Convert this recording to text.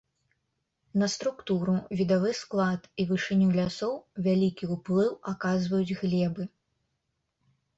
На структуру, відавы склад і вышыню лясоў вялікі ўплыў аказваюць глебы.